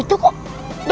ini tuh ngeliat apa